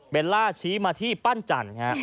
เบลล่าชี้มาที่ปั้นจันทร์